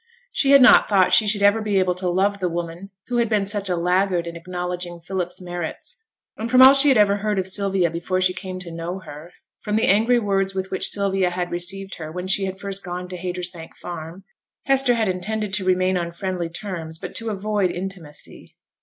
She had not thought she should ever be able to love the woman who had been such a laggard in acknowledging Philip's merits; and from all she had ever heard of Sylvia before she came to know her, from the angry words with which Sylvia had received her when she had first gone to Haytersbank Farm, Hester had intended to remain on friendly terms, but to avoid intimacy.